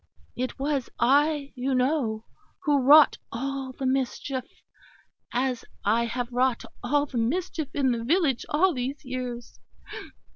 It was I, you know, who wrought all the mischief, as I have wrought all the mischief in the village all these years.